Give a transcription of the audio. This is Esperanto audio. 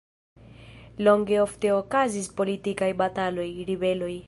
Longe ofte okazis politikaj bataloj, ribeloj.